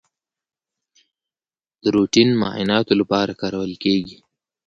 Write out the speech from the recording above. د روټین معایناتو لپاره کارول کیږي.